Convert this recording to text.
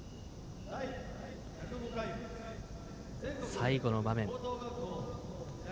最後の場面。